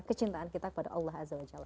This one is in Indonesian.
kecintaan kita kepada allah azawajal